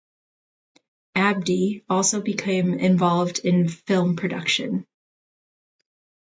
Abdi also became involved in film production.